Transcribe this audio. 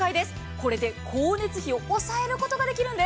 これで光熱費を抑えることができるんです。